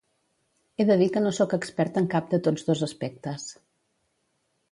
He de dir que no sóc expert en cap de tots dos aspectes.